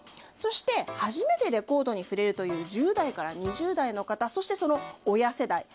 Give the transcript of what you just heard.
そして初めてレコードに触れるという１０代から２０代の方そしてその親世代。